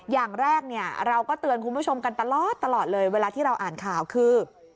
อย่างแรกเนี่ยเราก็เตือนคุณผู้ชมกันตลอดเลยเวลาที่เราอ่านข่าวคือ